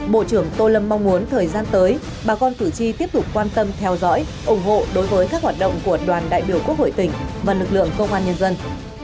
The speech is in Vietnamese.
bộ trưởng tô lâm mong muốn thời gian tới bà con cử tri tiếp tục quan tâm theo dõi ủng hộ đối với các hoạt động của đoàn đại biểu quốc hội tỉnh và lực lượng công an nhân dân